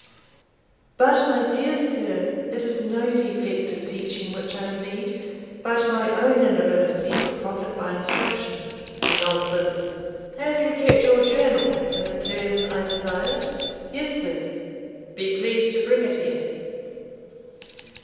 "But, my dear sir, it is no defect of teaching which I plead, but my own inability to profit by instruction." "Nonsense. Have you kept your journal in the terms I desired?" "Yes, sir." "Be pleased to bring it here."